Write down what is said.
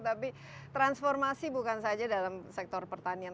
tapi transformasi bukan saja dalam sektor pertanian